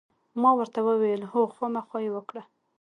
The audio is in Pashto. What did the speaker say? ما ورته وویل: هو، خامخا یې وکړه.